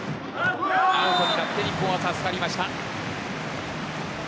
アウトになって日本は助かりました。